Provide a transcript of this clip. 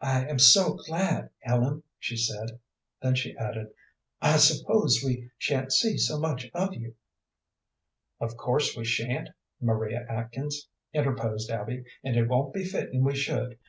"I am so glad, Ellen," she said. Then she added, "I suppose we sha'n't see so much of you." "Of course we sha'n't, Maria Atkins," interposed Abby, "and it won't be fitting we should.